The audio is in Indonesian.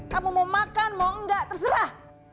kamu mau makan mau enggak terserah